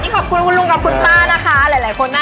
ขอบคุณคุณลุงกับคุณป้านะคะ